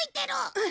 うん！